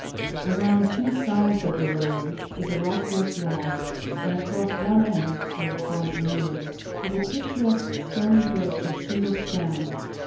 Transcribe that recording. Around two sides of the little lake is a rockwork wall, and across one end, where the pond narrows, is a picturesque stone bridge of single span.